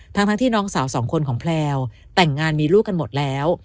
ทั้งที่น้องสาวสองคนของแพลวแต่งงานมีลูกกันหมดแล้ว